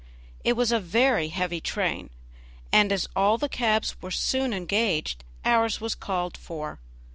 It was a very heavy train, and as all the cabs were soon engaged ours was called for.